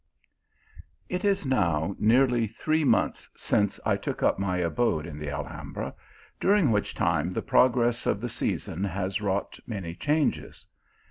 IT is now nearly three months since I took up my abode in the Alhambra, during which time the progress of the season has wrought many changes.